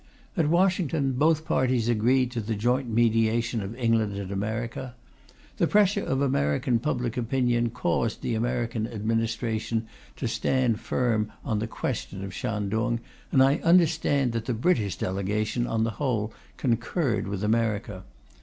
At Washington, both parties agreed to the joint mediation of England and America. The pressure of American public opinion caused the American Administration to stand firm on the question of Shantung, and I understand that the British delegation, on the whole, concurred with America.